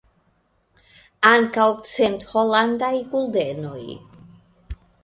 Ankaŭ cent holandaj guldenoj.